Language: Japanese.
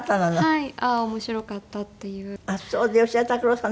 はい。